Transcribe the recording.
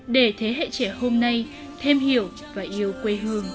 để thế hệ trẻ hôm nay thêm hiểu và yêu quê hương